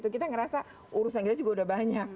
kita merasa urusan kita juga sudah banyak